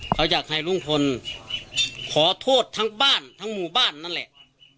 เขาอยากให้ลุงพลขอโทษทั้งบ้านทั้งหมู่บ้านนั่นแหละ